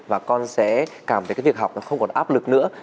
và con sẽ cảm thấy cái việc học nó không còn áp lực nữa